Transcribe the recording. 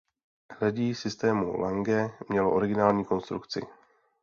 Hledí systému Lange mělo originální konstrukci.